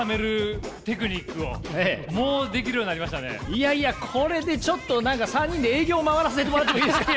いやいやこれでちょっと何か３人で営業回らせてもらってもいいですか？